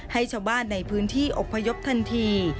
ให้ชาวบ้านในพื้นที่อบพยพทันที